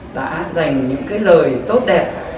đã dành những cái lời tốt đẹp